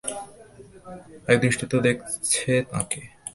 এক দৃষ্টিতে দেখছে তাঁকে।